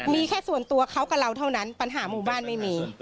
มีแค่ส่วนตัวเขากับเราเท่านั้นปัญหาหมู่บ้านไม่มี